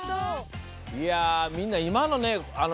みんないまのね